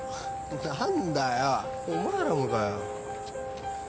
何だよお前らもかよ。